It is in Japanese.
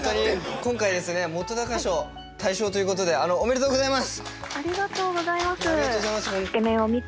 今回ですね本賞大賞ということで☎ありがとうございます。